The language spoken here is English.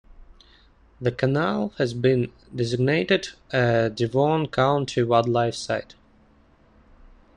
The canal has been designated a Devon County Wildlife Site.